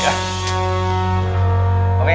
ya allah ya